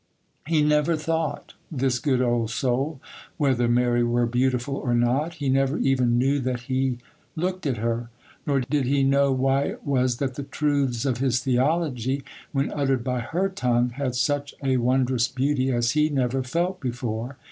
He never thought, this good old soul, whether Mary were beautiful or not; he never even knew that he looked at her; nor did he know why it was that the truths of his theology, when uttered by her tongue, had such a wondrous beauty as he never felt before.